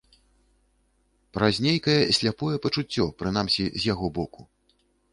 Праз нейкае сляпое пачуццё, прынамсі, з яго боку.